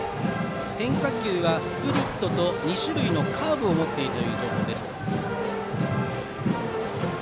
変化球はスプリットと２種類のカーブを持っています。